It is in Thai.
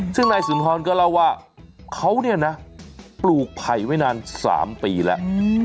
ซึ่งนายสุนทรก็เล่าว่าเขาเนี่ยนะปลูกไผ่ไว้นาน๓ปีแล้ว